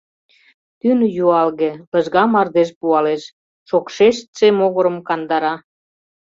Тӱнӧ юалге, лыжга мардеж пуалеш, шокшештше могырым кандара.